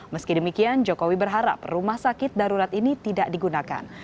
meski demikian jokowi berharap rumah sakit darurat ini tidak digunakan